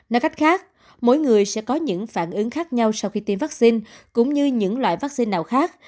nói cách khác mỗi người sẽ có những phản ứng khác nhau sau khi tiêm vaccine cũng như những loại vaccine nào khác